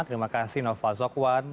terima kasih nova zogwan